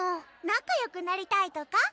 仲よくなりたいとか？